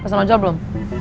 pas sama jal belum